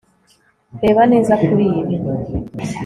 Reba neza kuri ibi